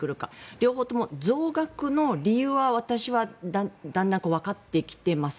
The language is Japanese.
両方とも増額の理由は私はだんだんとわかってきています。